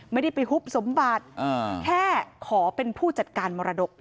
ไม่ได้ไปฮุบสมบัติแค่ขอเป็นผู้จัดการมรดก